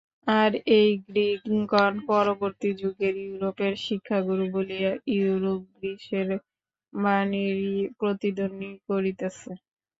আর এই গ্রীকগণ পরবর্তী যুগের ইউরোপের শিক্ষাগুরু বলিয়া ইউরোপ গ্রীসের বাণীরই প্রতিধ্বনি করিতেছে।